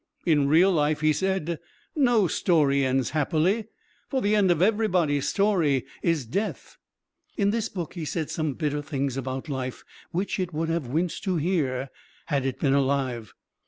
In real life, he said, no story ends happily; for the end of everybody's story is Death. In this book he said some bitter things about Life which it would have winced to hear, had it been alive.